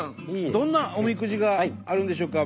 どんなおみくじがあるんでしょうか？